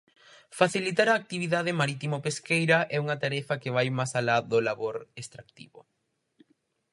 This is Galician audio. Facilitar a actividade marítimo-pesqueira é unha tarefa que vai máis alá do labor extractivo.